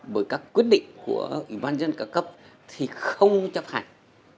bởi các quyết định của ủy ban dân ca cấp thì không chấp hành